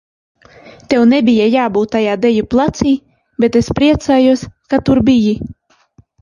Tev nebija jābūt tajā deju placī, bet es priecājos, ka tur biji.